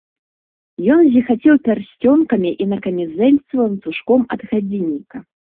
Ён зіхацеў пярсцёнкамі і на камізэльцы ланцужком ад гадзінніка.